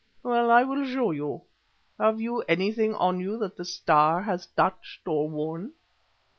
Well, I will show you. Have you anything on you that the Star has touched or worn?"